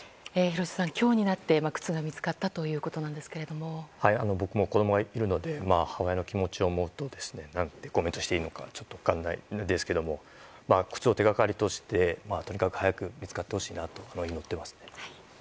廣瀬さん、今日になって靴が見つかったということですが僕も子供がいるので母親の気持ちを思うと何てコメントしていいのかわかりませんが靴を手がかりにしてとにかく早く見つかってほしいなと思います。